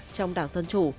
trong đảng dân chí